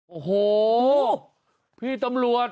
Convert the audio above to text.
โอ้โหพี่ตำรวจ